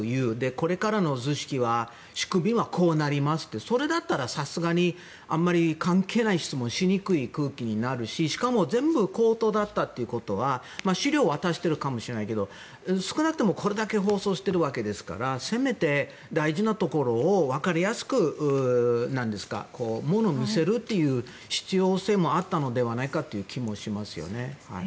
これからの図式はこうなりますとそれだったらさすがに関係ない質問をしにくい空気になるししかも全部、口頭だったということは資料を渡しているかもしれないけど少なくとも、これだけ放送しているわけですからせめて大事なところを分かりやすくものを見せるという必要性もあったのではないかという気もしますね。